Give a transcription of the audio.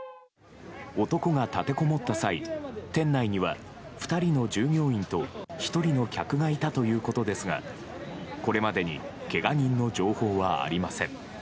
男が立てこもった際店内には２人の従業員と１人の客がいたということですがこれまでにけが人の情報はありません。